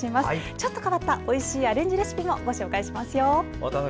ちょっと変わったおいしいアレンジレシピもご紹介しますよ。